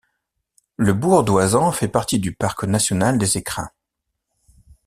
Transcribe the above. Le Bourg-d'Oisans fait partie du Parc national des Écrins.